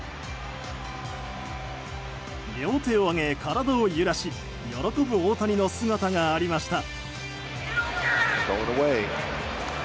両手を上げ、体を揺らし喜ぶ大谷の姿がありました。